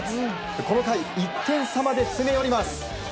この回、１点差まで詰め寄ります。